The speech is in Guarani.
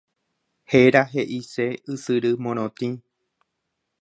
Héra he'ise ysyry morotĩ.